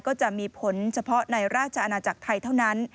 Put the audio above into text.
ก็จะมีผลเฉพาะในราชอาณาจักรไทยเท่านั้น